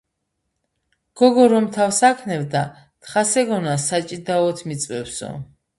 გიგო რომ თავს აქნევდა, თხას ეგონა, საჭიდაოდ მიწვევსო.